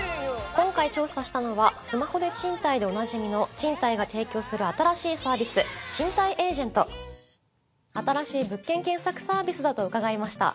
今回調査したのは「スマホでＣＨＩＮＴＡＩ」でおなじみのＣＨＩＮＴＡＩが提供する新しいサービスＣＨＩＮＴＡＩエージェント新しい物件検索サービスだと伺いました。